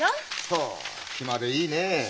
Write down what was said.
ほう暇でいいねえ。